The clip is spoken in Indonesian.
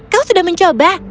kau sudah mencoba